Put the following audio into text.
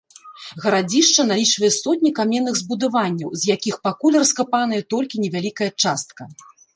Гарадзішча налічвае сотні каменных збудаванняў, з якіх пакуль раскапаная толькі невялікая частка.